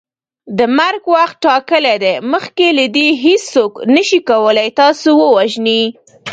د مرګ وخت ټاکلی دی مخکي له دې هیڅوک نسي کولی تاسو ووژني